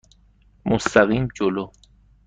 مستقیم جلو.